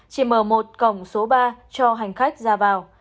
chỉ mở một cổng số ba cho hành khách ra vào